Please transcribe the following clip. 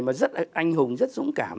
mà rất là anh hùng rất dũng cảm